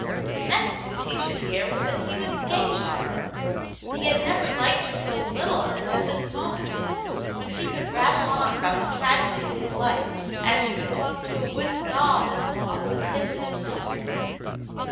Next news he should hear was that he was engaged to her. And he had never liked her so little as at this moment, when she could rattle on about the tragedy of his life as she would talk to a wooden doll that had lost the tip of its nose.